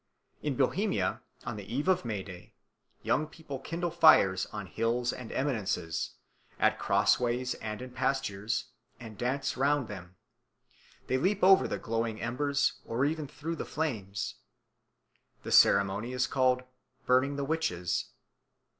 In Bohemia, on the eve of May Day, young people kindle fires on hills and eminences, at crossways, and in pastures, and dance round them. They leap over the glowing embers or even through the flames. The ceremony is called "burning the witches."